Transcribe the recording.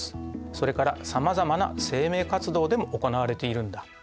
それからさまざまな生命活動でも行われているんだ。